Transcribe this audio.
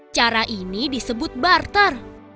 cara ini disebut barter